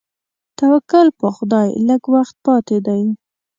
توکل په خدای لږ وخت پاتې دی.